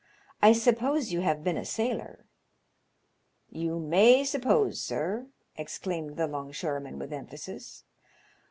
I suppose you have been a sailor ?"" You may suppose, sir," exclaimed the 'longshore man with emphasis.